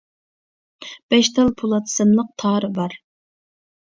بەش تال پولات سىملىق تارى بار.